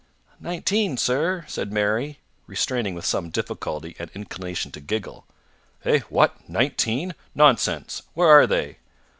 "Nineteen, sir," said Mary, restraining with some difficulty an inclination to giggle. "Eh? What? Nineteen? Nonsense! Where are they?"